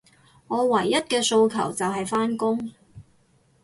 我唯一嘅訴求，就係返工